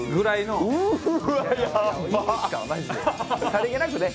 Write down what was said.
さりげなくね。